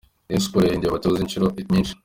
Rayon Sports yahinduye abatoza inshuro nyinshi.